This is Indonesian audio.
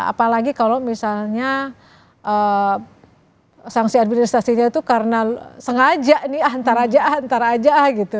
apalagi kalau misalnya sanksi administrasinya itu karena sengaja nih antar aja antar aja ah gitu